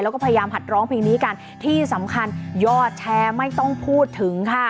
แล้วก็พยายามหัดร้องเพลงนี้กันที่สำคัญยอดแชร์ไม่ต้องพูดถึงค่ะ